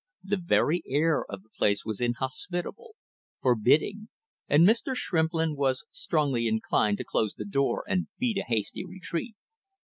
The very air of the place was inhospitable, forbidding, and Mr. Shrimplin was strongly inclined to close the door and beat a hasty retreat.